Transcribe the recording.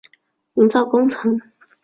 营造工程